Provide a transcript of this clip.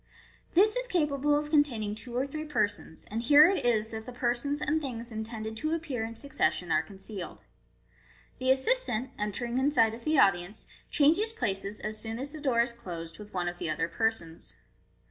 This is capable of con taining two or three persons, and here it is that the persons and things intended to appear in succession are concealed. The assistant, entering in sight of the audience, changes places, as soon as the door is closed, with one of the other persons.